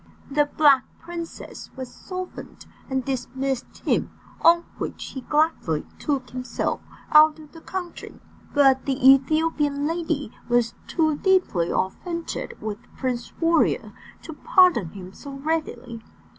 The Black Princess was softened, and dismissed him, on which he gladly took himself out of the country. But the Ethiopian lady was too deeply offended with Prince Warrior to pardon him so readily.